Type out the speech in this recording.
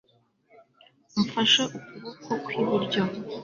umfashe ukuboko kw'iburyo